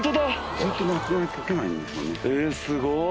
えぇすごい。